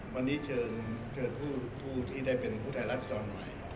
วันนี้เชิญผู้ที่ได้เป็นผู้แทนรัศดรใหม่